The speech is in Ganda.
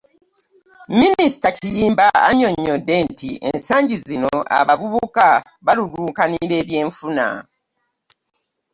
Minisita Kiyimba annyonnyodde nti ensangi zino abavubuka balulunkanira ebyenfuna